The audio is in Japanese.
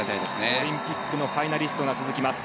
オリンピックのファイナリストが続きます。